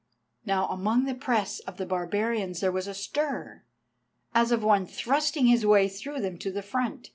Now among the press of the barbarians there was a stir, as of one thrusting his way through them to the front.